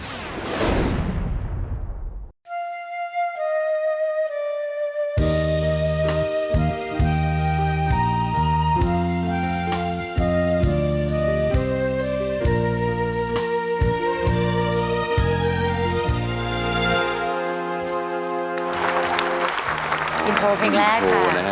อินโทรเพลงแรกค่ะโอ้โฮนะครับเป็นอย่างไรครับอินโทรเพลงแรกค่ะ